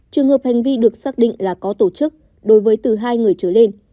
trường hợp hành vi được xác định là có tổ chức đối với từ hai người trở lên